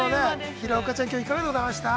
廣岡ちゃん、きょういかがでございました？